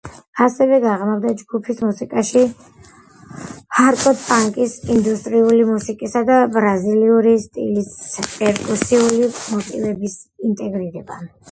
ასევე გაღრმავდა ჯგუფის მუსიკაში ჰარდკორ პანკის, ინდუსტრიული მუსიკისა და ბრაზილიური სტილის პერკუსიული მოტივების ინტეგრირება.